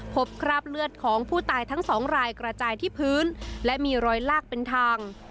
คราบเลือดของผู้ตายทั้งสองรายกระจายที่พื้นและมีรอยลากเป็นทาง